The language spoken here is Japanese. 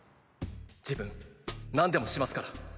自分何でもしますから。